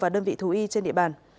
và đơn vị thú y trên địa bàn